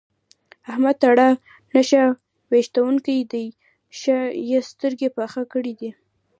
احمد تکړه نښه ويشتونکی دی؛ ښه يې سترګه پخه کړې ده.